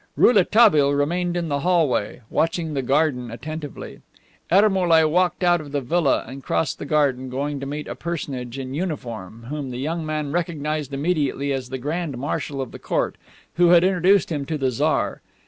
Rouletabille remained in the hallway, watching the garden attentively. Ermolai walked out of the villa and crossed the garden, going to meet a personage in uniform whom the young man recognized immediately as the grand marshal of the court, who had introduced him to the Tsar.